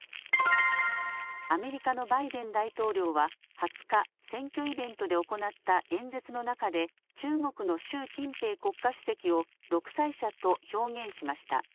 アメリカのバイデン大統領は２０日、選挙イベントで行った演説の中で中国の習近平国家主席を独裁者と表現しました。